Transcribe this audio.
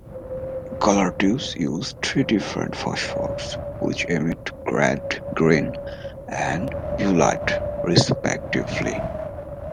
Color tubes use three different phosphors which emit red, green, and blue light respectively.